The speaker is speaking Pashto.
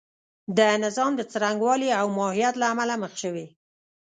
د نظام د څرنګوالي او ماهیت له امله مخ شوې.